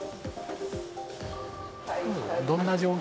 どんな状況？